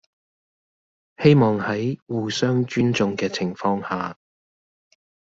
希望喺互相尊重嘅情況下